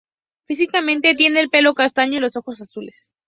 Físicamente tiene el pelo castaño y los ojos azules.